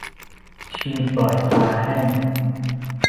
ชีปล่อยปลาแห้ง